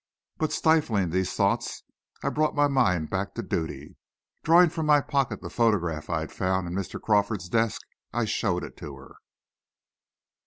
But stifling these thoughts, I brought my mind back to duty. Drawing from my pocket the photograph I had found in Mr. Crawford's desk, I showed it to her.